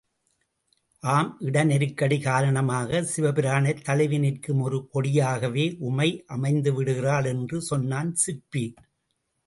ஆம், இட நெருக்கடி காரணமாக சிவபிரானைத் தழுவி நிற்கும் ஒரு கொடியாகவே உமை அமைந்துவிடுகிறாள் என்று சொன்னான் சிற்பி!